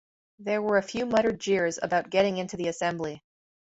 There were a few muttered jeers about getting into the assembly.